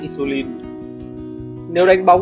insulin nếu đánh bóng